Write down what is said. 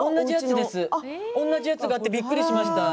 同じやつだってびっくりしました。